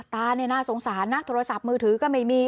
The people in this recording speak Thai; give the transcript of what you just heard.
ตาเนี่ยน่าสงสารนะโทรศัพท์มือถือก็ไม่มี